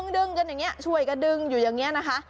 ดึงกันอย่างนี้ช่วยกระดึงอยู่อย่างนี้นะคะ